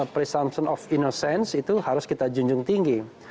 presumption of innocense itu harus kita junjung tinggi